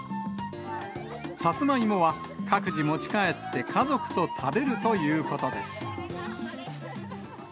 さつま芋は、各自持ち帰って、家族と食べるということです。